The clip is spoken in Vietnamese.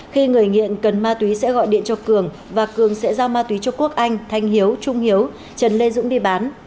khi người nghiện cần ma túy sẽ gọi điện cho cường và cường sẽ giao ma túy cho quốc anh thanh hiếu trung hiếu trần lê dũng đi bán